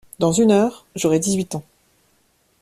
Dans une heure, j’aurais dix-huit ans.